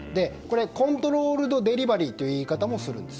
コントロールドデリバリーという言い方もします。